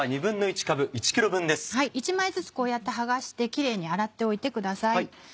１枚ずつこうやって剥がしてキレイに洗っておいてください。